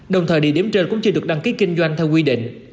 đồng thời địa điểm trên cũng chưa được đăng ký kinh doanh theo quy định